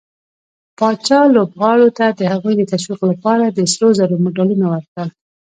پاچا لوبغارو ته د هغوي د تشويق لپاره د سروزرو مډالونه ورکړل.